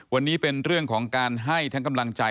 วันนี้เป็นเรื่องของการให้ทั้งกำลังใจ